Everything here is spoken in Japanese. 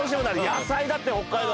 野菜だって北海道。